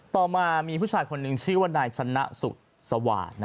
ต่อมามีผู้ชายคนหนึ่งชื่อว่านายชนะสุขสวาส